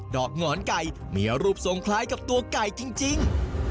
อกหงอนไก่มีรูปทรงคล้ายกับตัวไก่จริง